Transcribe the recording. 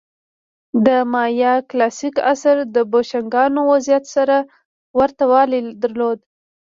د مایا کلاسیک عصر د بوشونګانو وضعیت سره ورته والی درلود